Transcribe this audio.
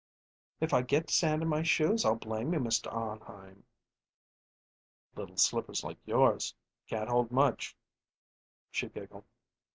"If I get sand in my shoes I'll blame you, Mr. Arnheim." "Little slippers like yours can't hold much." She giggled.